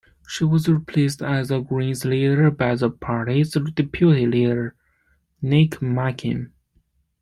She was replaced as Greens leader by the party's deputy leader, Nick McKim.